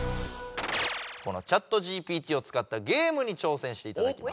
このＣｈａｔＧＰＴを使ったゲームに挑戦していただきます。